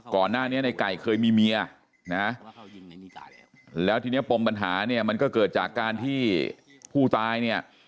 ก่อนหน้านี้ในไก่เคยมีเมียนะแล้วทีนี้ปมปัญหาเนี่ยมันก็เกิดจากการที่ผู้ตายเนี่ย